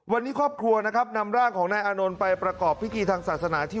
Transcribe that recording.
วันนี้ครอบครัวนะครับนำร่างของนายอานนท์ไปประกอบพิธีทางศาสนาที่